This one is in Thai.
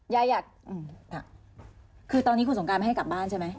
อยากคือตอนนี้คุณสงการไม่ให้กลับบ้านใช่ไหม